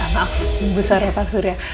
maaf ibu sarapah surya